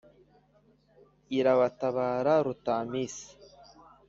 irabatabara rutamisi